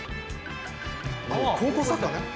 高校サッカー。